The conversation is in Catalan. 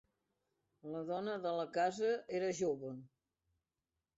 La dona de la casa era jove.